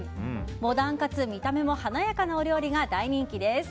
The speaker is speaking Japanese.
モダンかつ見た目も華やかなお料理が大人気です。